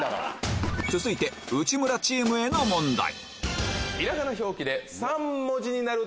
続いて内村チームへの問題